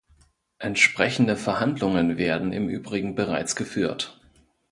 Entsprechende Verhandlungen werden im Übrigen bereits geführt.